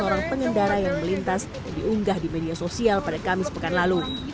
seorang pengendara yang melintas diunggah di media sosial pada kamis pekan lalu